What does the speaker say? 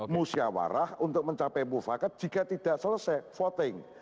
musyawarah untuk mencapai mufakat jika tidak selesai voting